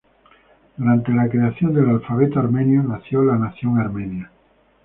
Durante la creación del alfabeto armenio nació la nación armenia.